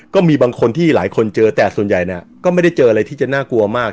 ก็มีบางคนที่หลายคนเจอแต่ส่วนใหญ่เนี่ยก็ไม่ได้เจออะไรที่จะน่ากลัวมาก